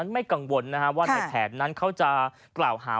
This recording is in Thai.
ไม่กังวลว่าในแผนนั้นเขาจะกล่าวหา